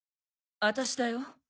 私だよ。